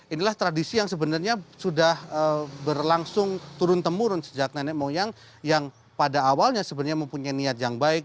inilah tradisi yang sebenarnya sudah berlangsung turun temurun sejak nenek moyang yang pada awalnya sebenarnya mempunyai niat yang baik